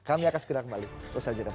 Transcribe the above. kami akan segera kembali usaha jeda